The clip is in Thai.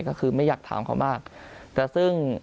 ก็คือไม่อยากถามเขามากแต่ซึ่ง